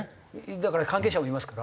だから関係者もいますから。